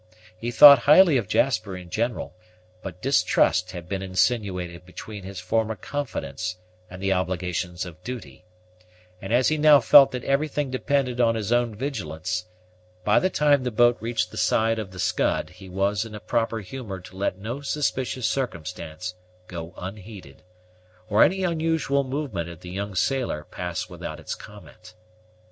He thought highly of Jasper in general; but distrust had been insinuated between his former confidence and the obligations of duty; and, as he now felt that everything depended on his own vigilance, by the time the boat reached the side of the Scud he was in a proper humor to let no suspicious circumstance go unheeded, or any unusual movement in the young sailor pass without its comment.